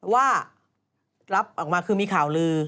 ว่ารับออกมาคือมีข่าวลือ